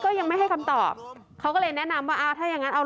ก็ยังไม่ให้คำตอบเขาก็เลยแนะนำว่าอ่าถ้าอย่างงั้นเอา